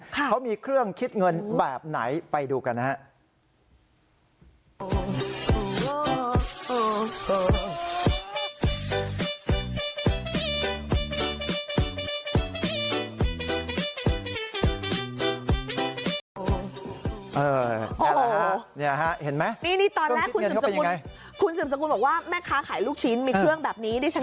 เขามีเครื่องคิดเงินแบบไหนไปดูกันนะฮะ